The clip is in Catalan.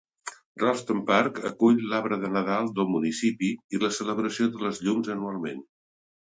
Ralston Park acull l'arbre de Nadal del municipi i la celebració de les llums anualment.